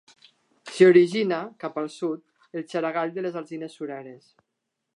S'hi origina, cap al sud, el Xaragall de les Alzines Sureres.